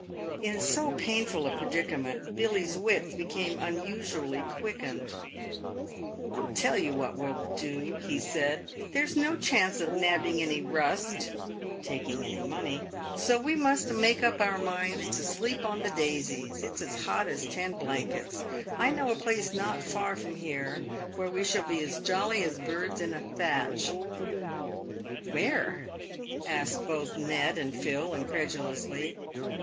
In so painful a predicament, Billy's wits became unusually quick ened. " I'll tell you what we'll do," he said. " There's no chance of 'nabbing any rust' " (taking any money), " so we must make up our minds to sleep on the daisies. It's as hot as ten blankets. I know a place not far from here where we shall be as jolly as birds in a thatch." " Where ?" asked both Ned and Phil, incredulously.